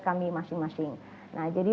kami masing masing nah jadi